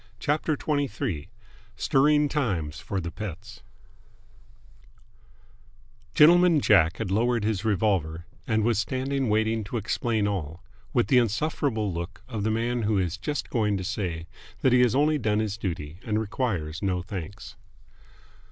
CHAPTER XXIII STIRRING TIMES FOR THE PETTS Gentleman Jack had lowered his revolver, and was standing waiting to explain all, with the insufferable look of the man who is just going to say that he has only done his duty and requires no thanks.